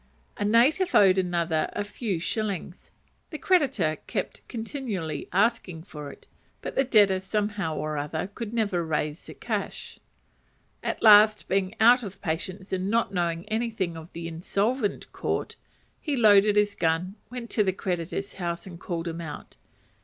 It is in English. A native owed another a few shillings; the creditor kept continually asking for it; but the debtor, somehow or other, never could raise the cash. At last being out of patience, and not knowing anything of the Insolvent Court, he loaded his gun, went to the creditor's house, and called him out.